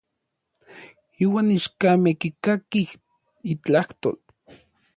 Iuan ichkamej kikakij n itlajtol.